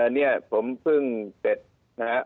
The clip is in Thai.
เนี่ยผมเพิ่งเสร็จนะฮะ